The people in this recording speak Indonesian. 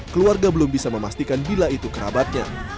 keluarga belum bisa memastikan bila itu kerabatnya